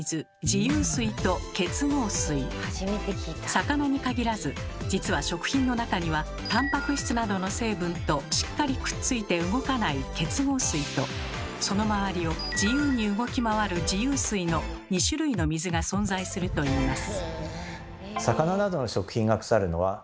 魚に限らず実は食品の中にはたんぱく質などの成分としっかりくっついて動かない結合水とその周りを自由に動き回る自由水の２種類の水が存在するといいます。